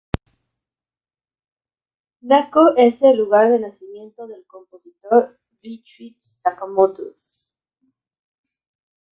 Nakano es el lugar de nacimiento del compositor Ryuichi Sakamoto.